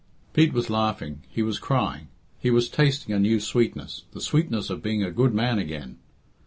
Pete was laughing; he was crying; he was tasting a new sweetness the sweetness of being a good man again.